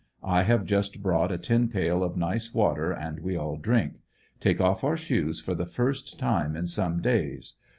I have just brought a tin pail of nice water and we all drink. Take off our shoes for the first time in some days.